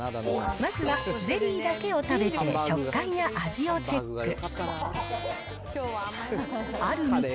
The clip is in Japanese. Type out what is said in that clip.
まずはゼリーだけを食べて食感や味をチェック。